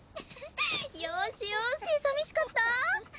よしよし寂しかった？